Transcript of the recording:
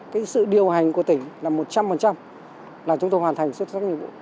mô hành của tỉnh là một trăm linh là chúng tôi hoàn thành xuất sắc nhiệm vụ